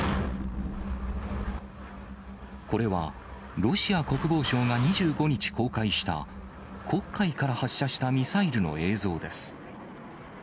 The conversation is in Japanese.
これは、ロシア国防省が２５日公開した、黒海から発射したミサイルの映像です。